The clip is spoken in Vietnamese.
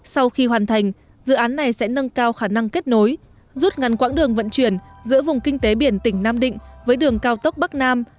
sau khi hoàn thành dự án này sẽ nâng cao khả năng kết nối rút ngắn quãng đường vận chuyển giữa vùng kinh tế biển tỉnh nam định với đường cao tốc bắc nam